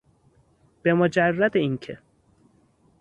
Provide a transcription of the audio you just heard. به مجرد اینکه